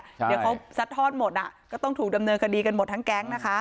เดี๋ยวเขาซัดทอดหมดอ่ะก็ต้องถูกดำเนินคดีกันหมดทั้งแก๊งนะคะ